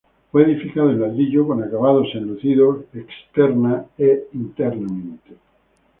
Fue edificado en ladrillo con acabados enlucidos externamente e internamente.